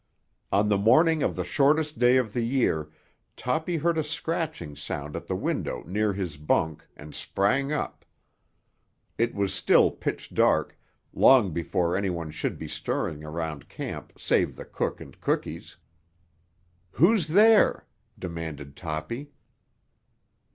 On the morning of the shortest day of the year Toppy heard a scratching sound at the window near his bunk and sprang up. It was still pitch dark, long before any one should be stirring around camp save the cook and cookees. "Who's there?" demanded Toppy.